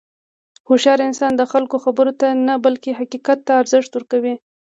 هوښیار انسان د خلکو خبرو ته نه، بلکې حقیقت ته ارزښت ورکوي.